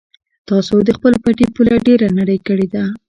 تاسو د خپل پټي پوله ډېره نرۍ کړې ده.